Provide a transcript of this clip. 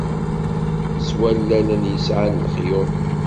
S wallalen yesɛan lexyuḍ.